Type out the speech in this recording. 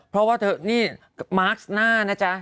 เพราะว่าเธอนี่มาร์คหน้านะจ๊ะ